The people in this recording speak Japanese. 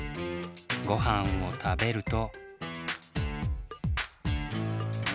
ごはんをたべると。